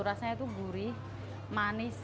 rasanya tuh gurih manis